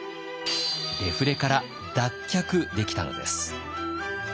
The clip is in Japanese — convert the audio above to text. デフレから脱却できたのです。